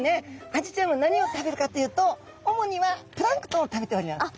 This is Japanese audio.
アジちゃんは何を食べるかというと主にはプランクトンを食べております。